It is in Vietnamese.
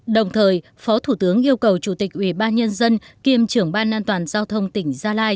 đồng thời phó thủ tướng yêu cầu chủ tịch ubnd kiêm trưởng ban an toàn giao thông tỉnh gia lai